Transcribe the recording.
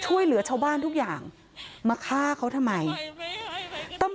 โชว์บ้านในพื้นที่เขารู้สึกยังไงกับเรื่องที่เกิดขึ้น